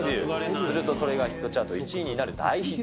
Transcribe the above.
するとそれがヒットチャート１位になる大ヒット。